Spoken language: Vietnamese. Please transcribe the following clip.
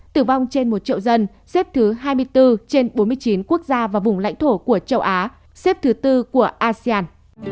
tử vong trên một triệu dân xếp thứ hai mươi bốn trên bốn mươi chín quốc gia và vùng lãnh thổ của châu á xếp thứ tư của asean